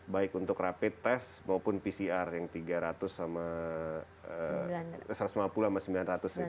baik untuk rapid test maupun pcr yang tiga ratus sama satu ratus lima puluh sama sembilan ratus